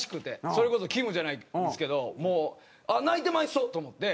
それこそきむじゃないですけどもう泣いてまいそうと思って。